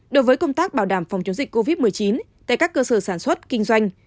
đối với công tác bảo đảm phòng chống dịch covid một mươi chín tại các cơ sở sản xuất kinh doanh